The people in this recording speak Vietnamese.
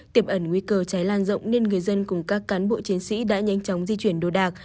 tiển ẩn nguy cơ cháy lan rộng nên người dân cùng các cán bộ chiến sĩ đã nhanh chóng di chuyển đồ đạc